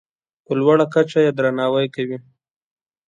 په لوړه کچه یې درناوی کوي.